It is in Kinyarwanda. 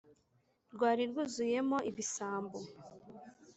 rwari rwuzuyemo ibisambo